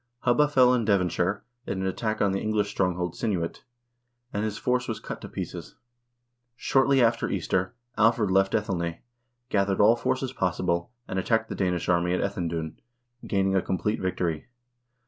Hubba fell in Devonshire in an attack on the English strong hold Cynuit, and his force was cut to pieces. Shortly after Easter, Alfred left Athelney, gathered all forces possible, and attacked the Danish army at Ethandun, gaining a complete victory.